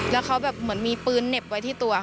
แล้วเขาแบบเหมือนมีปืนเหน็บไว้ที่ตัว